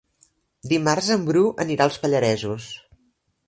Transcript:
Dimarts en Bru anirà als Pallaresos.